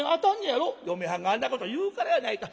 「嫁はんがあんなこと言うからやないか」。